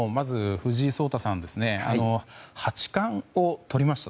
藤井聡太さん八冠をとりました。